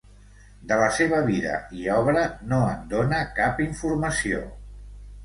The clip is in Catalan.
De la seva vida i obra no en dóna cap informació.